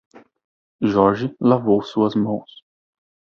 Jorge lavou suas mãos